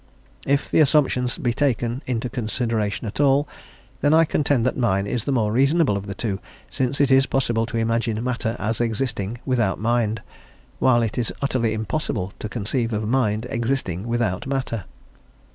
If the assumptions be taken into consideration at all, then I contend that mine is the more reasonable of the two, since it is possible to imagine matter as existing without mind, while it is utterly impossible to conceive of mind existing without matter.